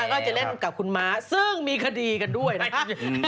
ก็จะเล่นกับคุณม้าซึ่งมีคดีกันด้วยนะครับ